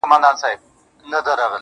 دوى خو، له غمه څه خوندونه اخلي.